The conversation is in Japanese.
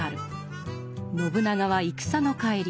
信長は戦の帰り